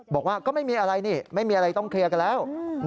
บอกว่าก็ไม่มีอะไรนี่ไม่มีอะไรต้องเคลียร์กันแล้ว